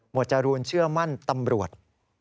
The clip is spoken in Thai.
หมวดจรูลเชื่อมั่นตำรวจ